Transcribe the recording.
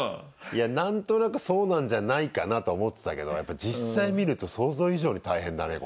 いや何となくそうなんじゃないかなとは思ってたけどやっぱり実際見ると想像以上に大変だね